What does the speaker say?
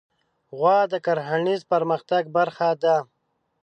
غوا د کرهڼیز پرمختګ برخه ده.